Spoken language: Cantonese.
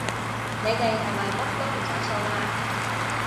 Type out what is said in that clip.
你哋係咪乜都唔使掃嘞